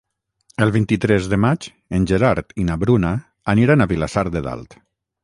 El vint-i-tres de maig en Gerard i na Bruna aniran a Vilassar de Dalt.